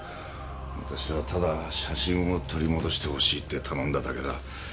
わたしはただ写真を取り戻してほしいって頼んだだけだ。